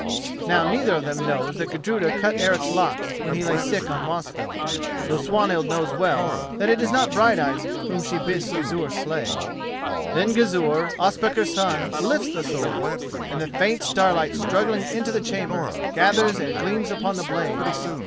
Now neither of them knows that Gudruda cut Eric's locks when he lay sick on Mosfell, though Swanhild knows well that it is not Brighteyes whom she bids Gizur slay. Then Gizur, Ospakar's son, lifts the sword, and the faint starlight struggling into the chamber gathers and gleams upon the blade.